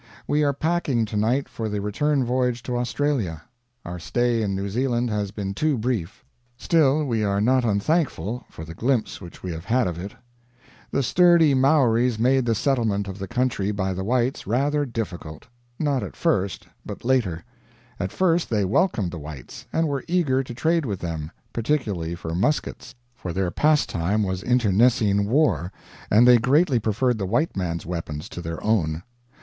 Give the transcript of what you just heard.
We are packing to night for the return voyage to Australia. Our stay in New Zealand has been too brief; still, we are not unthankful for the glimpse which we have had of it. The sturdy Maoris made the settlement of the country by the whites rather difficult. Not at first but later. At first they welcomed the whites, and were eager to trade with them particularly for muskets; for their pastime was internecine war, and they greatly preferred the white man's weapons to their own.